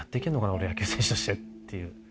俺野球選手としてっていう。